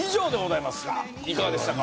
いかがでしたか？